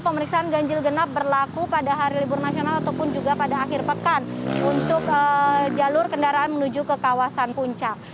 pemeriksaan ganjil genap berlaku pada hari libur nasional ataupun juga pada akhir pekan untuk jalur kendaraan menuju ke kawasan puncak